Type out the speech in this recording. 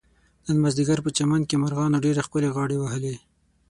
نن مازدیګر په چمن کې مرغانو ډېر ښکلې غاړې وهلې.